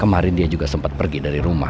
kemarin dia juga sempat pergi dari rumah